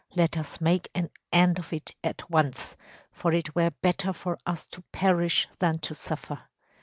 Let us make an end of it at once, for it were better for us to perish than to suffer.